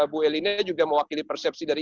bu elina juga mewakili persepsi dari